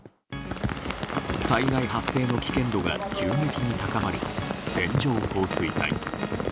災害発生の危険度が急激に高まる線状降水帯。